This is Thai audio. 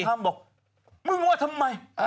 เจ้าถ้ำบอกวึงว่าทำไม